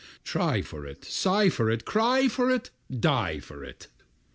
Try for it sigh for it cry for it die for it!